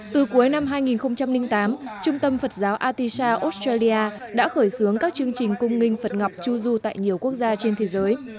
từ cuối năm hai nghìn tám trung tâm phật giáo atisa australia đã khởi xướng các chương trình cung ngnh phật ngọc trung du tại nhiều quốc gia trên thế giới